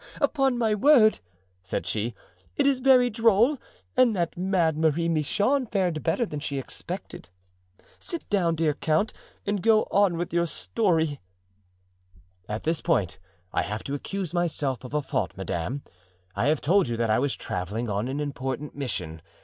upon my word," said she, "it is very droll, and that mad Marie Michon fared better than she expected. Sit down, dear count, and go on with your story." "At this point I have to accuse myself of a fault, madame. I have told you that I was traveling on an important mission.